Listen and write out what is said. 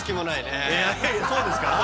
そうですか？